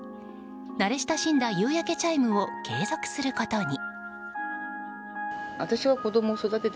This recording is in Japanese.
慣れ親しんだ夕焼けチャイムを継続することに。